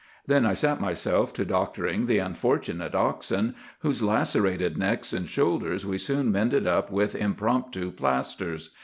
Then I set myself to doctoring the unfortunate oxen, whose lacerated necks and shoulders we soon mended up with impromptu plasters.